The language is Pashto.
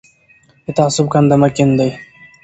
د تعصب کنده مه کیندئ.